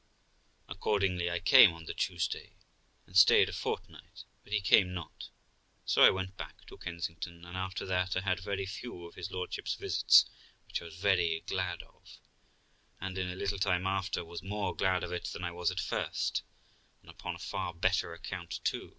Accordingly I came on the Tuesday, and stayed a fortnight, but he came not; so I went back to Kensington, and after that I had very few of his lordship's visits, which I was very glad of, and, in a little time after, was more glad of it than I was at first, and upon a far better account too.